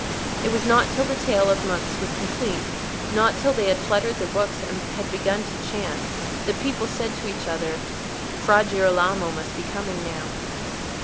It was not till the tale of monks was complete, not till they had fluttered their books and had begun to chant, that people said to each other, "Fra Girolamo must be coming now."